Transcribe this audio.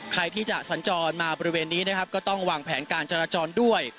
ใครที่จะสัญจรมาบริเวณนี้นะครับก็ต้องวางแผนการจราจรด้วย